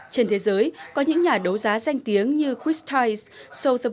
trên thế giới có những nhà đấu giá danh tiếng như christies sotheby s hay drowert